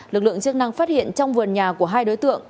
lực lượng chức năng phát hiện trong vườn nhà của hai đối tượng